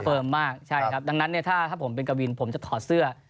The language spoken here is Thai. มากใช่ครับดังนั้นเนี่ยถ้าผมเป็นกวินผมจะถอดเสื้อ